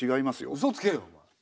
うそつけよお前。